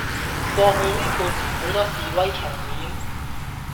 過去呢半年好多示威場面